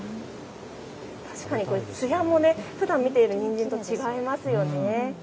確かにつやも、ふだん見ているにんじんと違いますよね。